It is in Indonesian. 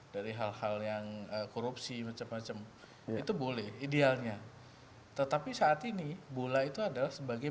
dari hal hal yang korupsi macam macam itu boleh idealnya tetapi saat ini bola itu adalah sebagai